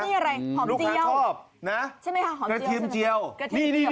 นี่อะไรหอมเจียวใช่ไหมคะหอมเจียวใช่ไหม